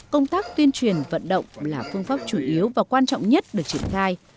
công tác tuyên truyền vận động là phương pháp chủ yếu và quan trọng nhất được triển khai